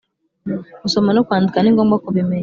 gusoma no kwandika ningombwa kubimenya